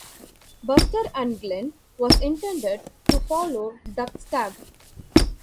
"Buster and Glen" was intended to follow "Duck Stab!